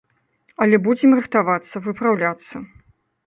Але будзем рыхтавацца, выпраўляцца.